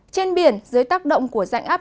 trên biển dưới tác động của dãnh áp